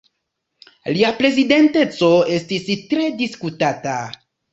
Lia prezidenteco estis tre diskutata.